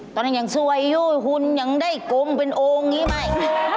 ตอนนั้นยังสวยอยู่หุ่นยังได้กงเป็นโอ่งอย่างนี้ไม่